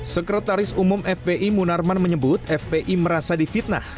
sekretaris umum fpi munarman menyebut fpi merasa difitnah